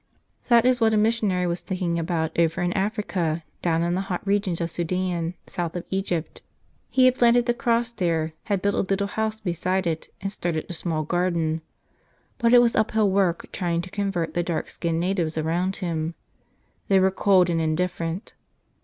That is what a missionary was thinking about over in Africa, down in the hot regions of Sudan, south of Egypt. He had planted the cross there, had built a little house beside it, and started a small garden. But it was uphill work trying to convert the dark skinned natives around him. They were cold and indifferent.